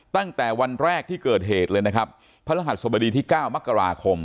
ตั้งแต่วันแรกที่เกิดเหตุเลยนะครับพระรหัสสบดีที่๙มกราคม